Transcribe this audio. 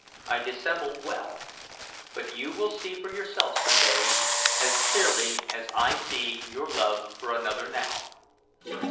I dissembled well; but you will see for yourself some day, as clearly as I see your love for another now."